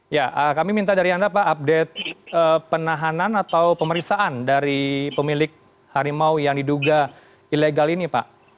ya kami minta dari anda pak update penahanan atau pemeriksaan dari pemilik harimau yang diduga ilegal ini pak